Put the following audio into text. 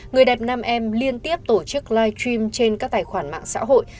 người đẹp nam em liên tiếp tổ chức live stream trên các tài khoản mạng xã hội